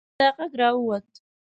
ورپسې دا غږ را ووت.